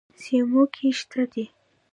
سیموکې شته دي.